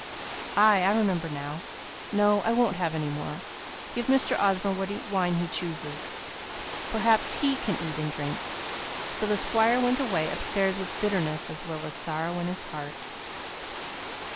"Ay! I remember now. No! I won't have any more. Give Mr. Osborne what wine he chooses. Perhaps he can eat and drink." So the Squire went away upstairs with bitterness as well as sorrow in his heart.